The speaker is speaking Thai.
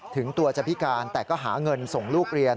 ถึงตัวจะพิการแต่ก็หาเงินส่งลูกเรียน